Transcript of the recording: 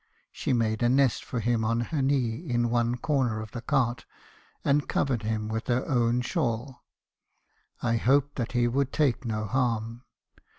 She made a nest for him on her knee in one corner of the cart, and covered him with her own shawl; and I hoped that he would take no harm.